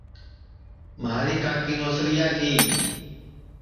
مہاری کاکی نوسریا کی